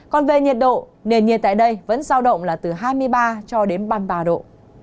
còn về nhiệt độ nền nhiệt tại đây vẫn giao động là từ hai mươi ba cho đến ba mươi ba độ